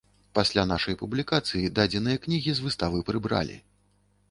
Пасля нашай публікацыі дадзеныя кнігі з выставы прыбралі.